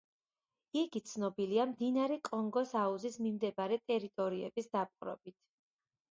იგი ცნობილია მდინარე კონგოს აუზის მიმდებარე ტერიტორიების დაპყრობით.